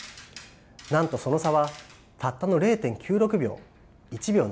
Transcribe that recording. なんとその差はたったの０．９６秒１秒ないんですね。